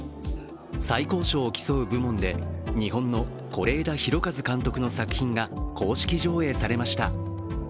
最高賞を競う部門で日本の是枝裕和監督の作品が公式上映されました。